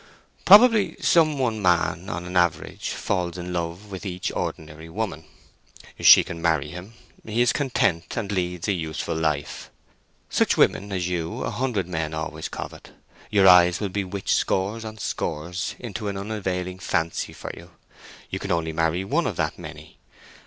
"Probably some one man on an average falls in love with each ordinary woman. She can marry him: he is content, and leads a useful life. Such women as you a hundred men always covet—your eyes will bewitch scores on scores into an unavailing fancy for you—you can only marry one of that many.